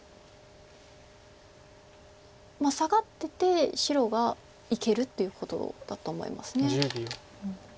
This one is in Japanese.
まあサガってて白がいけるということだと思います。